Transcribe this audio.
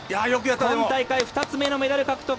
今大会２つ目のメダル獲得。